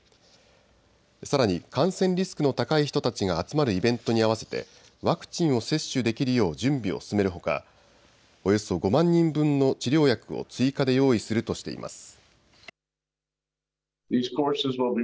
さらに感染リスクの高い人たちが集まるイベントに合わせてワクチンを接種できるよう準備を進めるほかおよそ５万人分の治療薬を追加で用意するとしています。